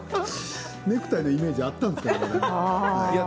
ネクタイのイメージあったのかな。